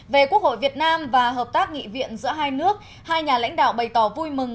về quốc hội việt nam và hợp tác nghị viện giữa hai nước hai nhà lãnh đạo bày tỏ vui mừng